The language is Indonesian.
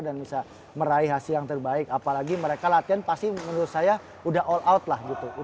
dan bisa meraih hasil yang terbaik apalagi mereka latihan pasti menurut saya sudah all out lah gitu